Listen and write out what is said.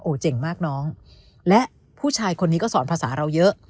เจ๋งมากน้องและผู้ชายคนนี้ก็สอนภาษาเราเยอะ